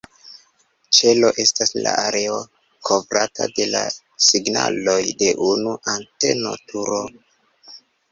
Ĉelo estas la areo kovrata de la signaloj de unu anteno-turo.